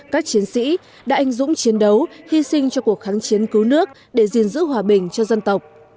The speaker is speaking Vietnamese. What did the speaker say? các chiến sĩ đã anh dũng chiến đấu hy sinh cho cuộc kháng chiến cứu nước để gìn giữ hòa bình cho dân tộc